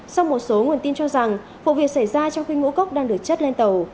sau một số nguồn tin cho rằng vụ việc xảy ra trong khi ngũ cốc đang được chất lên tàu